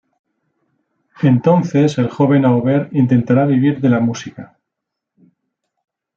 Entonces el joven Auber intentará vivir de la música.